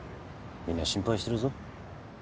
みんな心配してるぞ。